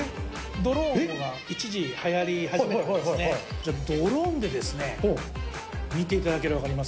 ドローンが一時はやり始めたときに、ちょっとドローンで、見ていただければ分かります